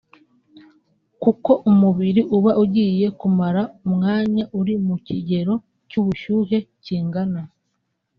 kuko umubiri uba ugiye kumara umwanya uri mu kigero cy’ubushyuhe kingana